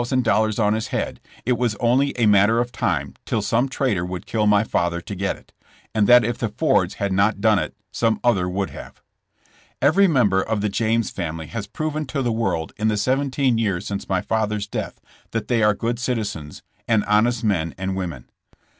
of $10,000 on his head it was only a matter of time till some traitor would kill my father to get it, and that if the Fords had not done it some other would have. Every member of the James family has proven to the world in the seventeen years since my father's death that they are good citizens, and honest men and women.